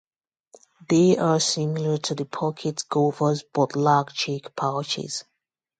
They are similar to the pocket gophers but lack cheek pouches.